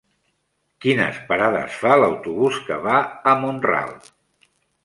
Quines parades fa l'autobús que va a Mont-ral?